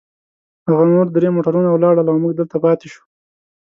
هغه نور درې موټرونه ولاړل، او موږ دلته پاتې شوو.